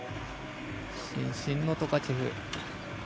伸身のトカチェフ。